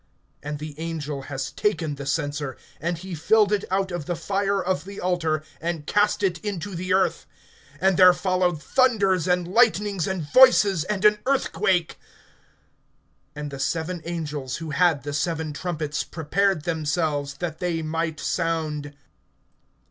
(5)And the angel has taken the censer; and he filled it out of the fire of the altar, and cast it into the earth. And there followed thunders, and lightnings, and voices, and an earthquake. (6)And the seven angels who had the seven trumpets prepared themselves, that they might sound.